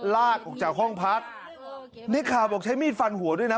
ลากออกจากห้องพักในข่าวบอกใช้มีดฟันหัวด้วยนะ